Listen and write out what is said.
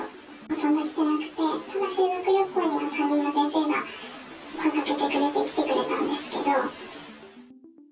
そんな来てなくて、修学旅行には、担任の先生が声かけてくれて、来てくれたんですけど。